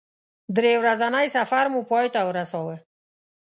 درې ورځنی سفر مو پای ته ورساوه.